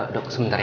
dok sebentar ya